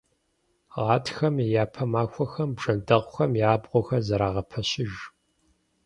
Гъатхэм и япэ махуэхэм бжэндэхъухэм я абгъуэхэр зэрагъэпэщыж.